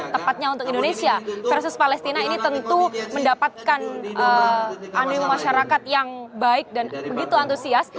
tepatnya untuk indonesia versus palestina ini tentu mendapatkan animo masyarakat yang baik dan begitu antusias